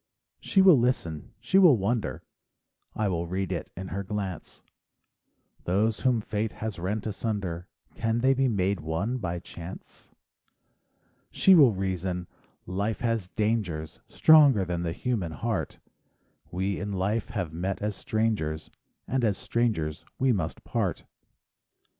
She will listen, she will wonder, —I will read it in her glynce— Those whom fate has rent asunder Can they be made one by chance? She will reason: "Life has dangers, Stronger than the human heart; We in life have met as strangers, And as strangers we must part."